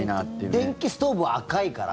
電気ストーブは赤いから。